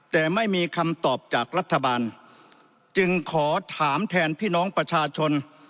แต่ไม่มีคำตอบจากรัฐบาลจึงขอถามแทนพี่น้องประชาชน